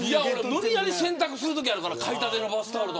無理やり洗濯するときあるから買いたてのバスタオル。